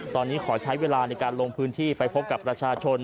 ตอนนี้ขอใช้เวลาในการลงพื้นที่ไปพบกับประชาชน